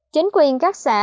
chính quyền các xã